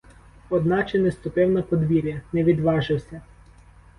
Одначе не ступив на подвір'я, не відважився.